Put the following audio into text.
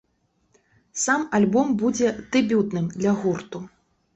Сам альбом будзе дэбютным для гурту.